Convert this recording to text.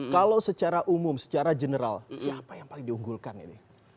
kalau secara umum secara general siapa yang paling diunggulkan ini